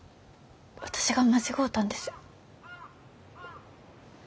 私が間違うたんです。